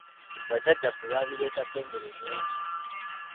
Bajjajjaffe babireetako engero nnyingi.